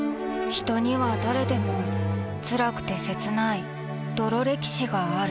人には誰でもつらくて切ない泥歴史がある